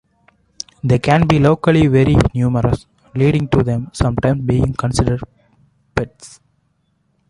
They can be locally very numerous, leading to them sometimes being considered pests.